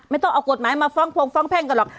ไม่ต้องเอากฎหมายมาฟ้องพงฟ้องแพ่งกันหรอก